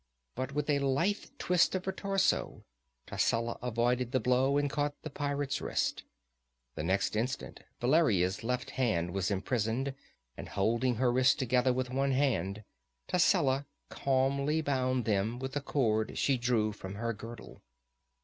But with a lithe twist of her torso, Tascela avoided the blow and caught the pirate's wrist. The next instant Valeria's left hand was imprisoned, and holding her wrists together with one hand, Tascela calmly bound them with a cord she drew from her girdle.